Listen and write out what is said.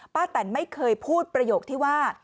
แตนไม่เคยพูดประโยคที่ว่า